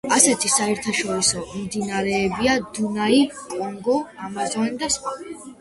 ასეთი საერთაშორისო მდინარეებია დუნაი, კონგო, ამაზონი და სხვა.